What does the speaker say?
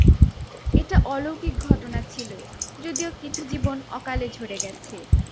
এটা অলৌকিক ঘটনা ছিল, যদিও কিছু জীবন অকালে ঝরে গেছে।